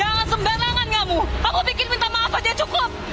jangan sembarangan kamu kok bikin minta maaf aja cukup